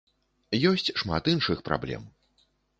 Ёсць шмат іншых праблем.